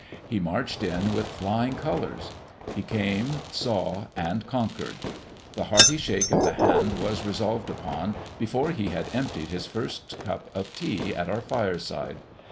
He marched in with flying colours. He came, saw, and conquered. The "hearty shake of the hand" was resolved upon before he had emptied his first cup of tea at our fireside.